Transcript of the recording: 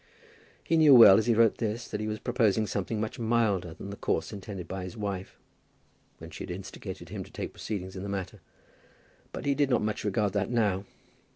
He knew well as he wrote this, that he was proposing something much milder than the course intended by his wife when she had instigated him to take proceedings in the matter; but he did not much regard that now.